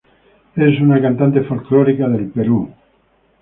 Es una cantante folclórica del Perú.